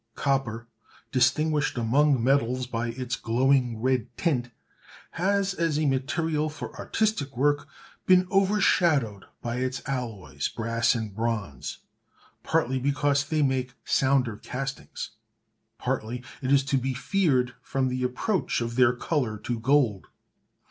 Copper, distinguished among metals by its glowing red tint, has as a material for artistic work been overshadowed by its alloys, brass and bronze; partly because they make sounder castings, partly it is to be feared from the approach of their colour to gold.